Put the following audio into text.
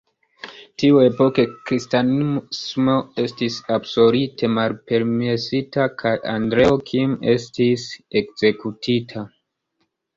Tiuepoke kristanismo estis absolute malpermesita kaj Andreo Kim estis ekzekutita.